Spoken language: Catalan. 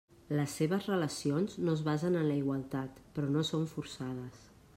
Les seves relacions no es basen en la igualtat; però no són forçades.